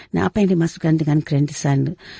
nah apa yang dimasukkan dengan grand design